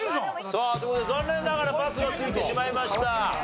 さあという事で残念ながら×がついてしまいました。